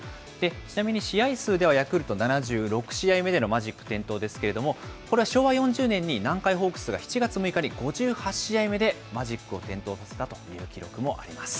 ちなみに試合数では、ヤクルト７６試合目でのマジック点灯ですけれども、これは昭和４０年に南海ホークスが７月６日に５８試合目でマジックを点灯させたという記録もあります。